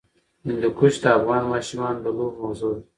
هندوکش د افغان ماشومانو د لوبو موضوع ده.